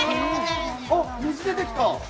あっ、水出てきた。